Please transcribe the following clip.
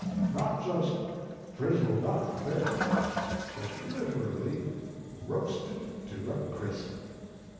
Not just frizzled up a bit, but literally roasted to a crisp!